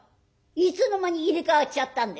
いつの間に入れ代わっちゃったんです？」。